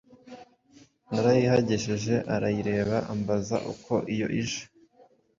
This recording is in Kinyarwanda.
Narayihagejeje arayireba ambaza uko yo ije